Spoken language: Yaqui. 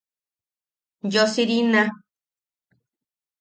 Yosirina.